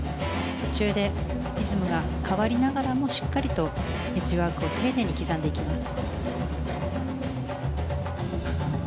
途中でリズムが変わりながらもしっかりとエッジワークを丁寧に刻んでいきます。